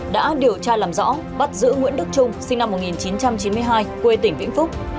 đã điều tra làm rõ bắt giữ nguyễn đức trung sinh năm một nghìn chín trăm chín mươi hai quê tỉnh vĩnh phúc